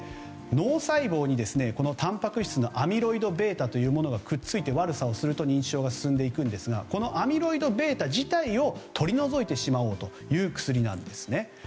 脳細胞に、たんぱく質のアミロイドベータというものがくっついて、悪さをすると認知症が進んでいくんですがこのアミロイドベータ自体を取り除いてしまおうという薬なんです。